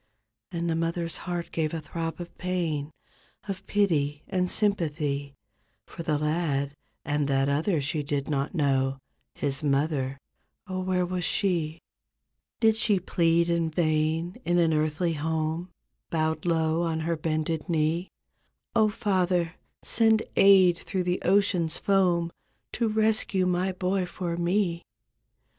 And the mother's heart gave a throb of pain. Of pity and sympathy For the lad, and that other she did not know. His mother—oh, where was she? Did she plead in vain in an earthly home Bowed low on her bended knee, ''0, Father, send aid through the ocean's foam To rescue my boy for me?"